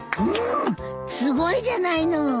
うんすごいじゃないの。